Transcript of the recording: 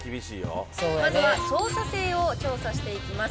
まずは操作性を調査していきます。